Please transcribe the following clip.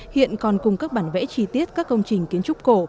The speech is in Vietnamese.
hiện còn cùng các bản vẽ chi tiết các công trình kiến trúc cổ